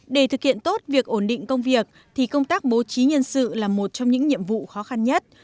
để thực hiện tốt việc ổn định công việc thì công tác bố trí nhân sự là một trong những nhiệm vụ khó khăn nhất